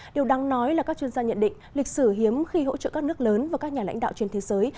điều đáng nói là các chuyên gia nhận định lịch sử hiếm khi hỗ trợ các nước lớn và các nhà lãnh đạo trên thế giới